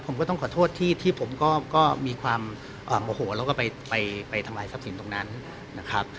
ผมก็ต้องขอโทษที่ผมก็มีความโมโหแล้วก็ไปทำลายทรัพย์สินตรงนั้นนะครับ